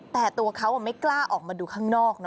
แต่ตัวเขาไม่กล้าออกมาดูข้างนอก